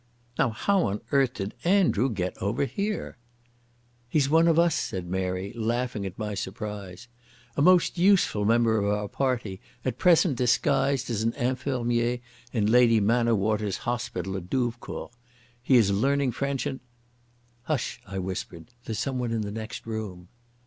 "Now how on earth did Andrew get over here?" "He's one of us," said Mary, laughing at my surprise. "A most useful member of our party, at present disguised as an infirmier in Lady Manorwater's Hospital at Douvecourt. He is learning French, and...." "Hush!" I whispered. "There's someone in the next room."